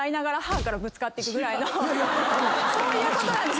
そういうことなんです。